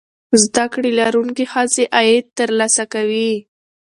زده کړې لرونکې ښځې عاید ترلاسه کوي.